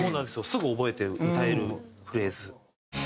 すぐ覚えて歌えるフレーズ。